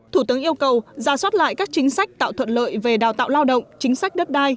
thủ tướng yêu cầu giả soát lại các chính sách tạo thuận lợi về đào tạo lao động chính sách đất đai